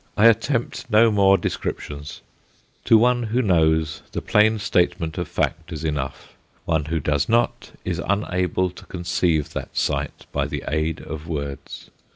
I attempt no more descriptions; to one who knows, the plain statement of fact is enough, one who does not is unable to conceive that sight by the aid of words.